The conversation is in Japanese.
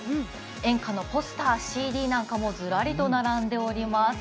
演歌のポスター、ＣＤなんかもズラリと並んでいます。